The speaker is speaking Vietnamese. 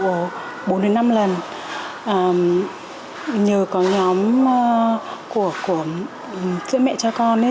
và nhờ có nhóm của sữa mẹ cho con